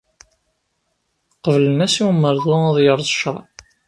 Qeblen-as i umerdu ad yerẓ ccṛeɛ.